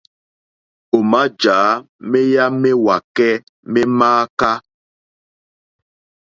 Ò màjǎ méyá méwàkɛ́ mé mááká.